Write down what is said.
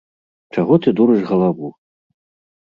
Чаго ты дурыш галаву?